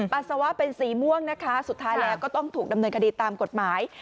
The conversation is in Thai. ปัสสาวะเป็นสีม่วงนะคะสุดท้ายแล้วก็ต้องถูกดำเนินคดีตามกฎหมาย